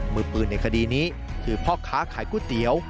มือปืนในคดีนี้คือพ่อค้าขายก๋วยเตี๋ยว